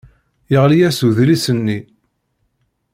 Yeɣli-as udlis-nni.